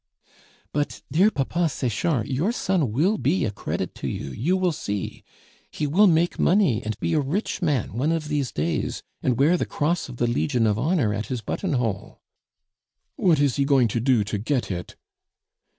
"But, dear papa Sechard, your son will be a credit to you, you will see; he will make money and be a rich man one of these days, and wear the Cross of the Legion of Honor at his buttonhole." "What is he going to do to get it?"